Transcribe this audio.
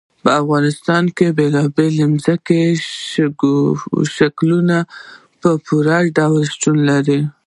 په افغانستان کې بېلابېل ځمکني شکلونه په پوره ډول شتون لري.